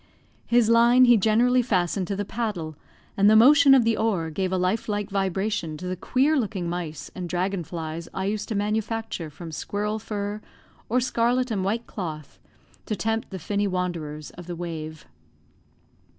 His line he generally fastened to the paddle, and the motion of the oar gave a life like vibration to the queer looking mice and dragon flies I used to manufacture from squirrel fur, or scarlet and white cloth, to tempt the finny wanderers of the wave.